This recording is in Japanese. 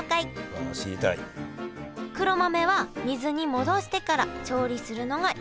黒豆は水に戻してから調理するのが一般的です。